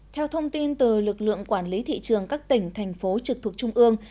theo thông tin từ lực lượng quản lý thị trường các tỉnh thành phố trực thuộc trung ương